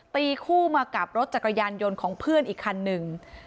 ตีคู่มากับรถจักรยานยนต์ของเพื่อนอีกคันหนึ่ง